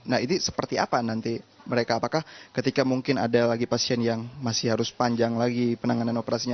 nah ini seperti apa nanti mereka apakah ketika mungkin ada lagi pasien yang masih harus panjang lagi penanganan operasinya